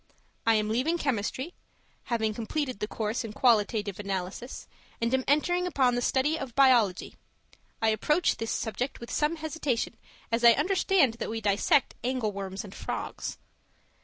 I am leaving chemistry having completed the course in qualitative analysis and am entering upon the study of biology. I approach this subject with some hesitation, as I understand that we dissect angleworms and frogs.